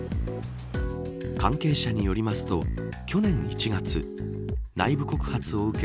関係者によりますと、去年１月内部告発を受け